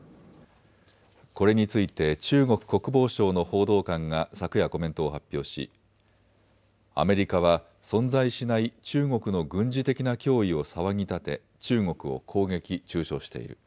これについて中国国防省の報道官が昨夜、コメントを発表しアメリカは存在しない中国の軍事的な脅威を騒ぎ立て中国を攻撃、中傷している。